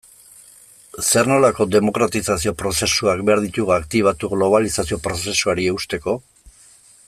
Zer nolako demokratizazio prozesuak behar ditugu aktibatu globalizazio prozesuari eusteko?